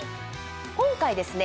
今回ですね